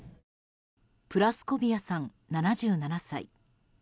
プラスコビアさん、７７歳。